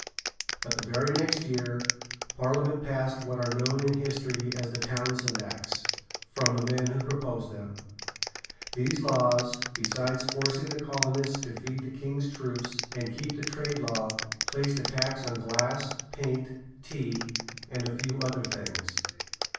But the very next year Parliament passed what are known in history as the "Townshend Acts," from the man who proposed them. These laws, besides forcing the colonists to feed the king's troops and keep the trade law, placed a tax on glass, paint, tea, and a few other things.